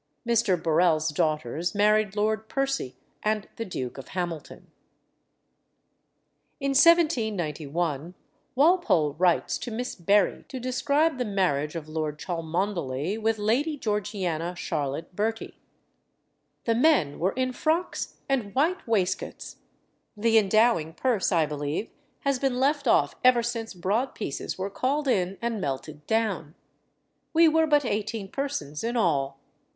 Mr. Burrell's daughters married Lord Percy and the Duke of Hamilton. In 1791 Walpole writes to Miss Berry to describe the marriage of Lord Cholmondeley with Lady Georgiana Charlotte Bertie: "The men were in frocks and white waistcoats. The endowing purse, I believe, has been left off ever since broad pieces were called in and melted down. We were but eighteen persons in all....